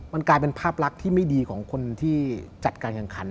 มันกลายเป็นภาพลักษณ์ที่ไม่ดีของคนที่จัดการแข่งขัน